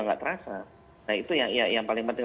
nggak terasa nah itu yang paling penting